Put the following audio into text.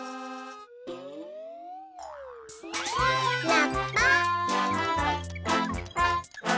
ラッパ。